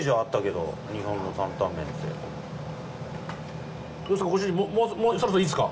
どうですか？